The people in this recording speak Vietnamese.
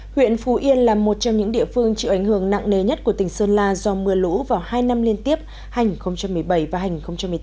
huyện phú yên là một trong những địa phương chịu ảnh hưởng nặng nề nhất của tỉnh sơn la do mưa lũ vào hai năm liên tiếp hành một mươi bảy và hành một mươi tám